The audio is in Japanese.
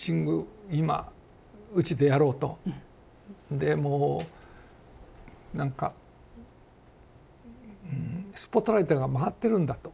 でもうなんか「スポットライトが回ってるんだ」と。